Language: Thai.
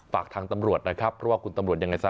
ฝากทางตำรวจนะครับเพราะว่าคุณตำรวจยังไงซะ